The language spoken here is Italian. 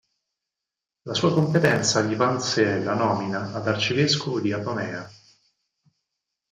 La sua competenza gli valse la nomina ad arcivescovo di Apamea.